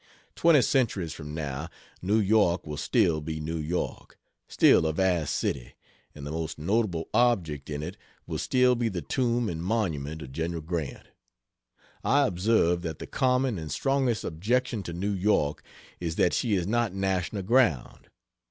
Twenty centuries from now New York will still be New York, still a vast city, and the most notable object in it will still be the tomb and monument of General Grant. I observe that the common and strongest objection to New York is that she is not "national ground."